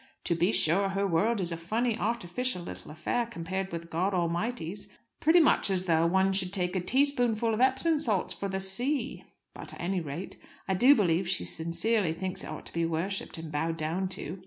To be sure her world is a funny, artificial little affair compared with God Almighty's: pretty much as though one should take a teaspoonful of Epsom salts for the sea. But, at any rate, I do believe she sincerely thinks it ought to be worshipped and bowed down to.